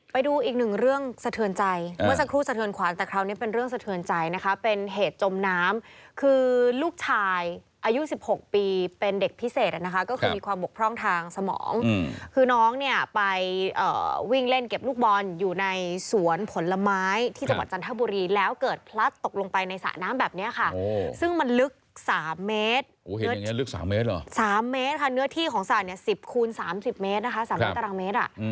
ไปดูอีกหนึ่งเรื่องสะเทือนใจเมื่อสักครู่สะเทือนขวานแต่คราวนี้เป็นเรื่องสะเทือนใจนะคะเป็นเหตุจมน้ำคือลูกชายอายุ๑๖ปีเป็นเด็กพิเศษนะคะก็คือมีความบกพร่องทางสมองคือน้องเนี่ยไปวิ่งเล่นเก็บลูกบอลอยู่ในสวนผลไม้ที่จังหวัดจันทบุรีแล้วเกิดพลัดตกลงไปในสระน้ำแบบเนี้ยค่ะซึ่งมันลึกสามเม